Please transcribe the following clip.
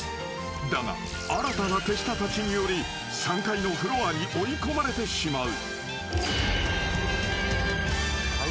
［だが新たな手下たちにより３階のフロアに追い込まれてしまう］